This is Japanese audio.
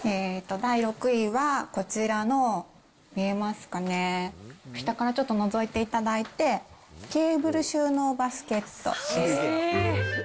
第６位はこちらの見えますかね、下からちょっとのぞいていただいて、ケーブル収納バスケットです。